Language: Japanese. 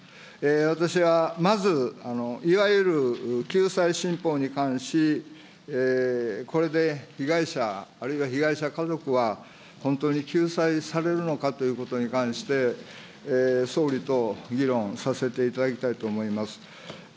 私はまず、いわゆる救済新法に関し、これで被害者あるいは被害者家族は本当に救済されるのかということに関して、総理と議論させていただきたいと思います。